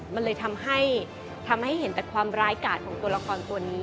มันเลยทำให้เห็นแต่ความร้ายกาดของตัวละครตัวนี้